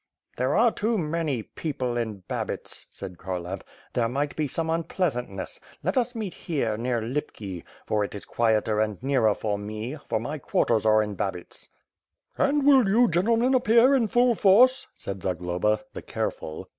"There are too many people in Babits," said Kharlamp. "There might be some unpleasantness. Let us meet here, near Lipki, for it is quieter and nearer for me, for my quar ters are in Babits.*' 544 ^^^^^^^^^^ SWORD. "And will you gentlemen appear in full force?" said Zag loba, the careful.